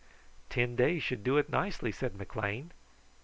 "Ten days should do it nicely," said McLean.